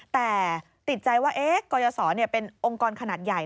แต่ติดใจว่ากรยศเป็นองค์กรขนาดใหญ่